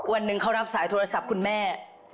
วันหนึ่งเขารับสายโทรศัพท์คุณแม่